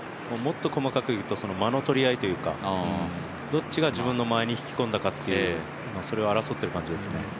もっと細かくいうと、間の取り合いというか、どっちが自分の間合いに引き込んだかそれを争っている感じですね。